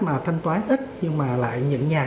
mà thanh toán ít nhưng mà lại nhận nhà